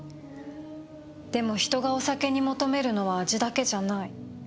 でも人がお酒に求めるのは味だけじゃない。